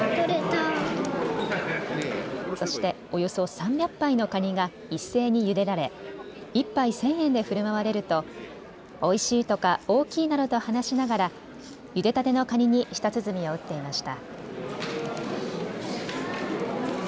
そしておよそ３００杯のカニが一斉にゆでられ、１杯１０００円でふるまわれるとおいしいとか大きいなどと話しながらゆでたてのカニに舌鼓を打っていました。